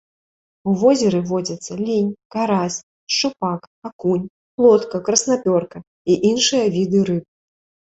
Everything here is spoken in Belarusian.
У возеры водзяцца лінь, карась, шчупак, акунь, плотка, краснапёрка і іншыя віды рыб.